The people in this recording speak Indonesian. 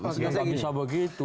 masih nggak bisa begitu